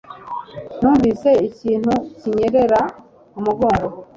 Numvise ikintu kinyerera mu mugongo.